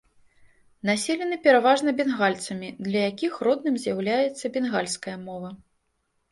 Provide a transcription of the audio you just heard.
Населены пераважна бенгальцамі, для якіх родным з'яўляецца бенгальская мова.